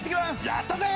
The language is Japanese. やったぜ！